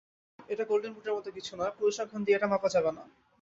এটা গোল্ডেন বুটের মতো কিছু নয়, পরিসংখ্যান দিয়ে এটা মাপা যাবে না।